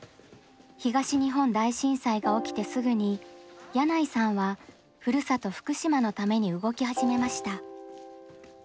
東日本大震災が起きてすぐに箭内さんはふるさと福島のために動き始めました。